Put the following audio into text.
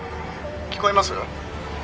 聞こえます？」